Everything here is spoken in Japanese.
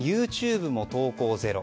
ＹｏｕＴｕｂｅも投稿ゼロ。